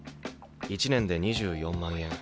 １年で２４万円